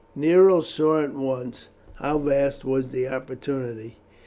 Nero saw at once how vast was the opportunity.